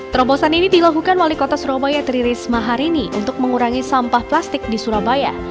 terobosan ini dilakukan wali kota surabaya tri risma hari ini untuk mengurangi sampah plastik di surabaya